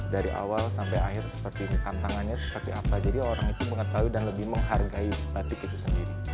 dari awal sampai akhir seperti ini tantangannya seperti apa jadi orang itu mengetahui dan lebih menghargai batik itu sendiri